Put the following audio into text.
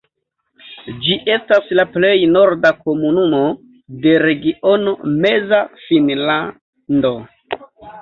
Ĝi estas la plej norda komunumo de regiono Meza Finnlando.